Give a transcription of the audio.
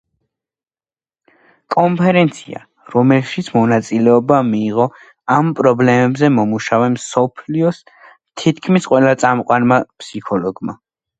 კონფერენცია, რომელშიც მონაწილეობა მიიღო ამ პრობლემაზე მომუშავე მსოფლიოს თითქმის ყველა წამყვანმა ფსიქოლოგმა.